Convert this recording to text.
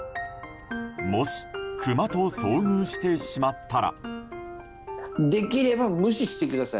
もしクマと遭遇してしまったら。